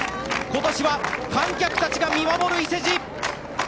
今年は観客たちが見守る伊勢路。